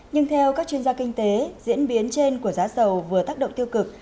nhưng theo các chuyên gia kinh tế diễn biến trên của giá dầu vừa tác động tiêu cực